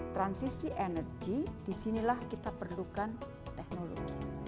transisi energi disinilah kita perlukan teknologi